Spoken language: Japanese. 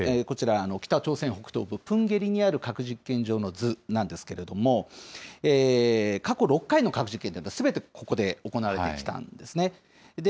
こちら、北朝鮮北東部プンゲリにある核実験場の図なんですけれども、過去６回の核実験はすべてここで行われてきたんですね。